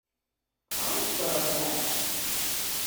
I am sure of that.